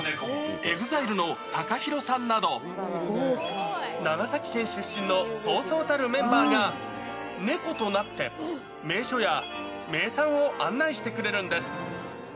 ＥＸＩＬＥのＴＡＫＡＨＩＲＯさんなど、長崎県出身のそうそうたるメンバーが、猫となって、名所や名産を案内してくれるんです。